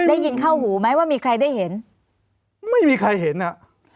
ได้ยินเข้าหูไหมว่ามีใครได้เห็นไม่มีใครเห็นอ่ะ